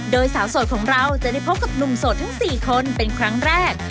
โดยสาวโสดของเราจะได้พบกับหนุ่มโสดทั้ง๔คนเป็นครั้งแรก